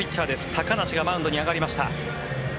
高梨がマウンドに上がりました。